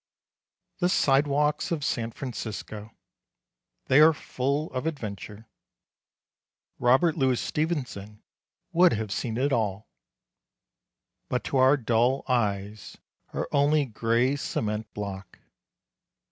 The sidewalks of San Francisco. They are full of adventure. Robert Louis Stevenson would have seen it all. But to our dull eyes are only gray cement block.